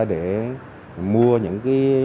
để mua những